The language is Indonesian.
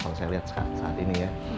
kalau saya lihat saat ini ya